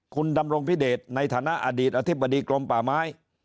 คุณดำรงพิเดชในฐานะอดีตอธิบดีกรมป่าไม้